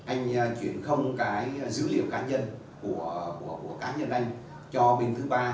anh chuyển không cái dữ liệu cá nhân của cá nhân anh cho bên thứ ba